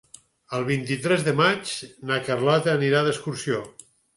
El vint-i-tres de maig na Carlota anirà d'excursió.